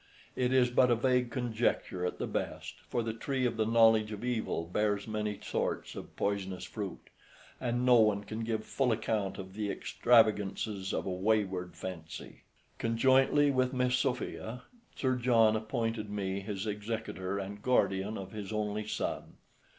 It is but a vague conjecture at the best, for the tree of the knowledge of Evil bears many sorts of poisonous fruit, and no one can give full account of the extravagances of a wayward fancy. Conjointly with Miss Sophia, Sir John appointed me his executor and guardian of his only son.